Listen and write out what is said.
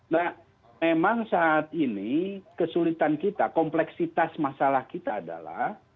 nah memang saat ini kesulitan kita kompleksitas masalah kita adalah